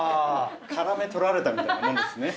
絡めとられたみたいなもんですね。